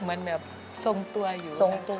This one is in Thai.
เหมือนแบบทรงตัวอยู่